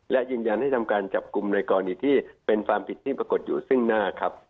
และยืนยันให้ทำการจับกลุ่มในกรณีที่เป็นความผิดที่ปรากฏอยู่ซึ่งหน้าครับ